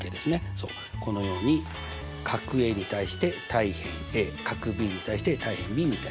そうこのように角Ａに対して対辺角Ｂに対して対辺ｂみたいにね